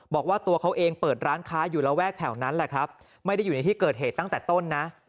บอกว่าตัวเขาเองเปิดร้านค้าอยู่ระแวกแถวนั้นแหละครับไม่ได้อยู่ในที่เกิดเหตุตั้งแต่ต้นนะ